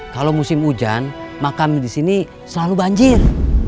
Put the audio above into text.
kalo musim hujan makam disini selalu banjir